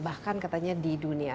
bahkan katanya di dunia